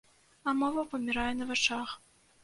А мова памірае на вачах.